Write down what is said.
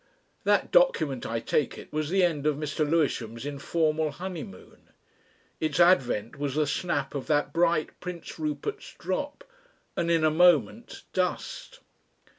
That document, I take it, was the end of Mr. Lewisham's informal honeymoon. Its advent was the snap of that bright Prince Rupert's drop; and in a moment Dust.